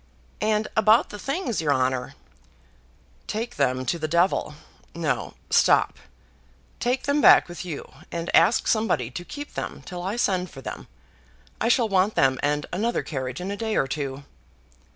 "And about the things, your honour?" "Take them to the devil. No; stop. Take them back with you, and ask somebody to keep them till I send for them. I shall want them and another carriage in a day or two."